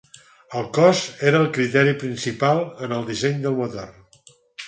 El cost era el criteri principal en el disseny del motor.